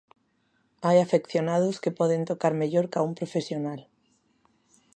Hai afeccionados que poden tocar mellor ca un profesional.